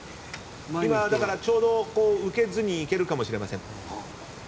今だからちょうど受けずにいけるかもしれません。